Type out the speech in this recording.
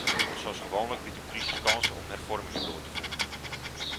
Zoals gewoonlijk biedt een crisis kansen om hervormingen door te voeren.